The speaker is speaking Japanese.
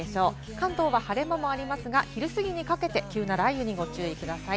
関東は晴れ間もありますが、昼すぎにかけて急な雷雨にご注意ください。